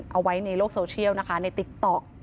เอาไว้ในโลกโซเชียลนะคะในติ๊กต๊อก